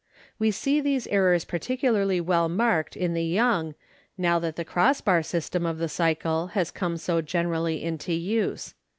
We see these errors particularly well marked in the young, now that the cross bar system of the cycle has come so generally into use.